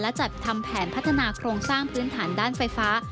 และจัดทำแผนพัฒนาโครงสร้างพื้นฐานด้านไฟฟ้า